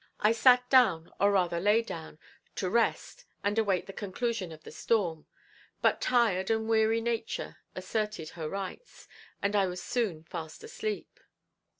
I sat down, or rather lay down, to rest and await the conclusion of the storm, but tired and weary nature asserted her rights, and I was soon fast asleep.